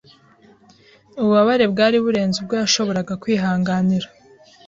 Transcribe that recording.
Ububabare bwari burenze ubwo yashoboraga kwihanganira.